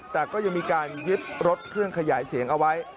แต่ก็ยังมีการยึดรถเครื่องขยายเสียงเอาไว้